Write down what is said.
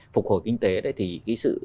phục hồi kinh tế thì cái sự